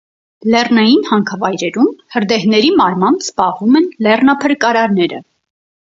Լեռնային հանքավայրերում հրդեհների մարմամբ զբաղվում են լեռնափրկարարները։